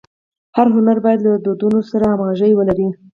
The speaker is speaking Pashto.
هر هنر باید له دودونو سره همږغي ولري.